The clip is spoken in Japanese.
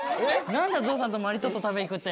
何だぞうさんとマリトッツォ食べ行くって。